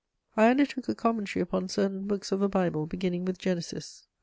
I undertook a commentary upon certain books of the Bible, beginning with _Genesis.